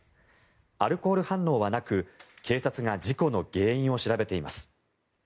アルコール反応はなく、警察が事故の原因を調べています。